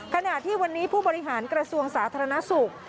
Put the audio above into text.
ขณะที่วันนี้ผู้บริหารกระทรวงสาธารณสุข